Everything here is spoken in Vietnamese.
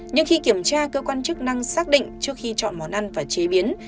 nhưng khi kiểm tra cơ quan chức năng xác định trước khi chọn món ăn và chế biến